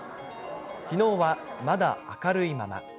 きのうはまだ明るいまま。